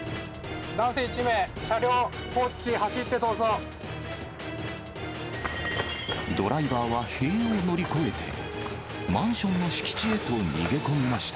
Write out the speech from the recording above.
男性１名、車両放置し、走って逃ドライバーは塀を乗り越えて、マンションの敷地へと逃げ込みました。